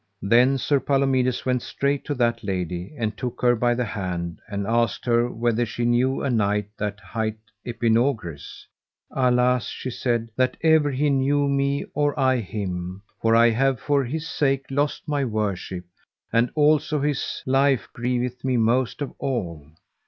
Then Sir Palomides went straight to that lady, and took her by the hand, and asked her whether she knew a knight that hight Epinogris. Alas, she said, that ever he knew me or I him, for I have for his sake lost my worship, and also his life grieveth me most of all.